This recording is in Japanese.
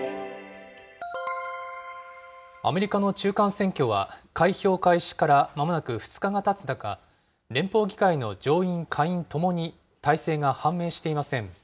アメリカの中間選挙は、開票開始からまもなく２日がたつ中、連邦議会の上院下院ともに大勢が判明していません。